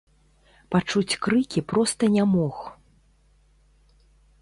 Пачуць крыкі проста не мог.